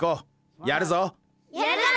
やるぞ！